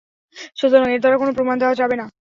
সুতরাং এর দ্বারা কোন প্রমাণ দেয়া যাবে না।